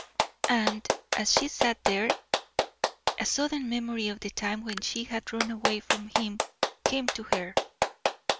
And as she sat there a sudden memory of the time when she had run away from him came to her.